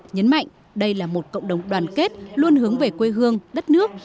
nhấn mạnh đây là một cộng đồng đoàn kết luôn hướng về quê hương đất nước